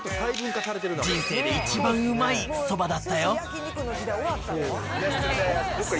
人生で一番うまいそばだったよ。